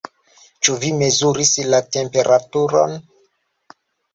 Ĉu vi mezuris la temperaturon?